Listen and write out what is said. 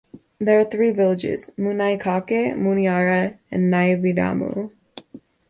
There are three villages, Muanaicake, Muanaira and Naividamu.